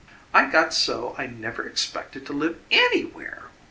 "I got so I never expected to live ANYwhere."